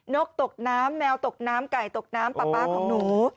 กตกน้ำแมวตกน้ำไก่ตกน้ำปลาปลาของหนู